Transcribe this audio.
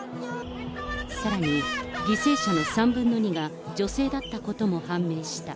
さらに、犠牲者の３分の２が女性だったことも判明した。